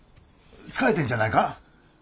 疲れてんじゃないか？